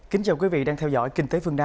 kính chào quý vị đang theo dõi kinh tế phương nam